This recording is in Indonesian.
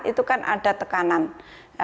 itu kan ada terjadi